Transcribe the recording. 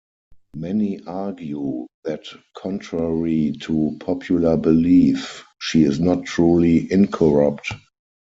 Many argue that contrary to popular belief, she is not truly incorrupt.